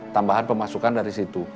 tambahan pemasukan dari situ